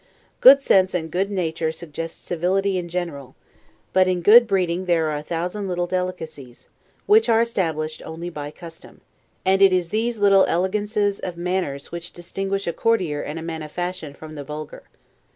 Good sense and good nature suggest civility in general; but, in good breeding there are a thousand little delicacies, which are established only by custom; and it is these little elegances of manners which distinguish a courtier and a man of fashion from the vulgar.